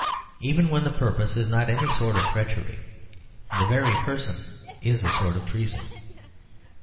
Even when the purpose is not any sort of treachery, the very position is a sort of treason.